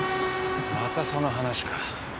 またその話か。